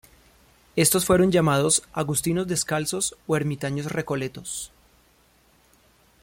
Estos fueron llamados agustinos descalzos o ermitaños recoletos.